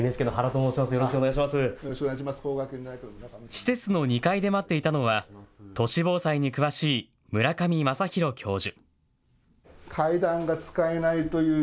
施設の２階で待っていたのは都市防災に詳しい村上正浩教授。